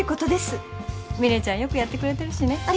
美玲ちゃんよくやってくれてるしね。